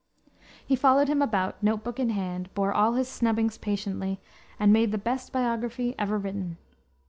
He followed him about, note book in hand, bore all his snubbings patiently, and made the best biography ever written.